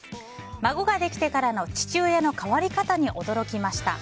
孫ができてからの父親の変わり方に驚きました。